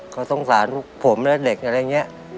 เขาสงสารพวกผมและเด็กอะไรอย่างนี้